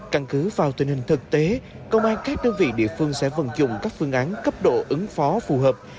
căn cứ vào tình hình thực tế công an các đơn vị địa phương sẽ vận dụng các phương án cấp độ ứng phó phù hợp